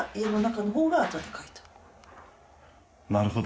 なるほど。